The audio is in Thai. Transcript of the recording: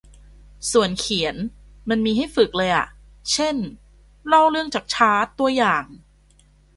ส่วนเขียนมันมีให้ฝึกเลยอ่ะ เช่น เล่าเรื่องจากชาร์ต ตัวอย่าง